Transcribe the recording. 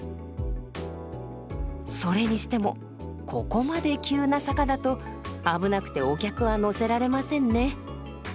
それにしてもここまで急な坂だと危なくてお客は乗せられませんね。